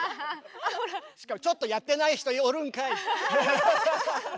しかもちょっとやってない人おるんかい！